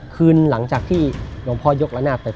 คืนหลังจากที่หลวงพ่อยกระนาดไป